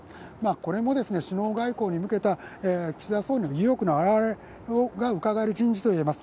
これも、首脳外交に向けた岸田総理の意欲の表れがうかがえる人事と言えます。